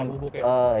merica bubuk ya